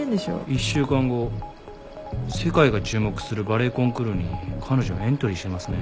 １週間後世界が注目するバレエコンクールに彼女エントリーしてますね。